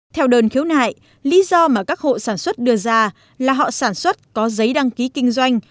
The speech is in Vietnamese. theo đơn khiếu nại lý do mà các hộ sản xuất đưa ra là họ sản xuất có giấy đăng ký kinh doanh